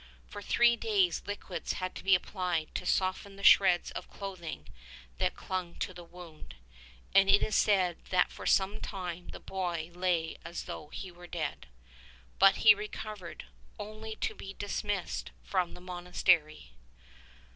For three days liquids had to be applied to soften the shreds of clothing that clung to the wound, and it is said that for some time the boy lay as though he were dead. But he recovered — only to be dismissed from the monastery.